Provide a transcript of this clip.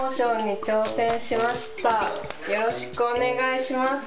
よろしくお願いします。